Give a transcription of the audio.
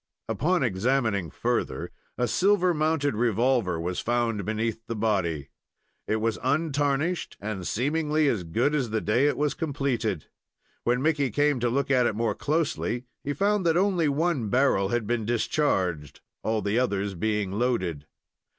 Upon examining further, a silver mounted revolver was found beneath the body. It was untarnished, and seemingly as good as the day it was completed. When Mickey came to look at it more closely, he found that only one barrel had been discharged, all the others being loaded.